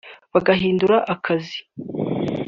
bagahindura akazi